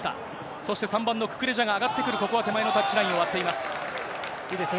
そして３番のククレジャが上がってくる、これは手前のタッチライいいですね。